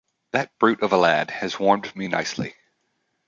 That brute of a lad has warmed me nicely.